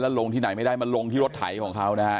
ลงที่ไหนไม่ได้มาลงที่รถไถของเขานะฮะ